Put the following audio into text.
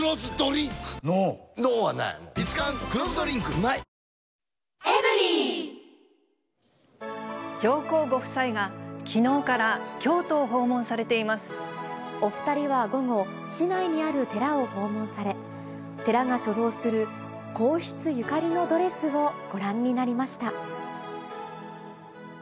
今なら補助金でお得上皇ご夫妻がきのうから京都お２人は午後、市内にある寺を訪問され、寺が所蔵する皇室ゆかりのドレスをご覧になりました。